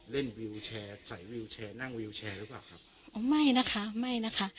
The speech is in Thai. วิวแชร์ใส่วิวแชร์นั่งวิวแชร์หรือเปล่าครับอ๋อไม่นะคะไม่นะคะ